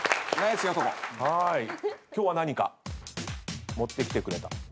今日は何か持ってきてくれた。